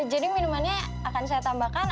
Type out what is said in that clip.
jadi minumannya akan saya tambahkan